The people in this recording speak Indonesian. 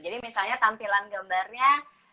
jadi misalnya tampilan gambarnya